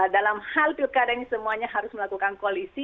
dalam hal pilkada ini semuanya harus melakukan koalisi